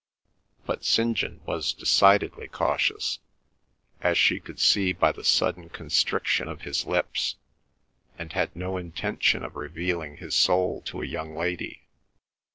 But St. John was decidedly cautious, as she could see by the sudden constriction of his lips, and had no intention of revealing his soul to a young lady.